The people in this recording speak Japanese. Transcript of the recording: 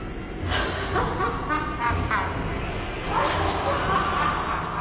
アハハハハ！